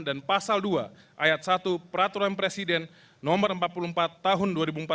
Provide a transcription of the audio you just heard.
dan pasal dua ayat satu peraturan presiden nomor empat puluh empat tahun dua ribu empat belas